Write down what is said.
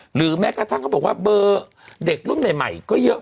หรือแม้กระทั่งเขาบอกว่าเบอร์เด็กรุ่นใหม่ก็เยอะ